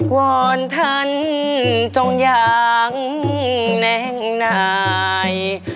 วอนท่านจงอย่างแน่งนาย